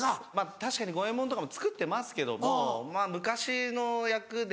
確かに五ェ門とかも作ってますけども昔の役で。